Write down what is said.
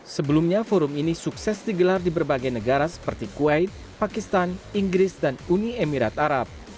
sebelumnya forum ini sukses digelar di berbagai negara seperti kuwait pakistan inggris dan uni emirat arab